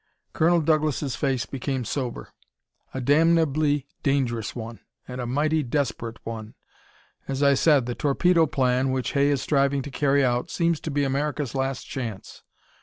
Colonel Douglas' face became sober. "A damnably dangerous one, and a mighty desperate one. As I said, the Torpedo Plan, which Hay is striving to carry out, seems to be America's last chance.